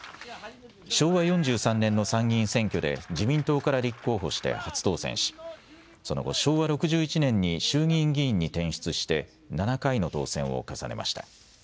昭和４３年の参議院選挙で自民党から立候補して初当選しその後昭和６１年に衆議院議員に転出して７回の当選を重ねました。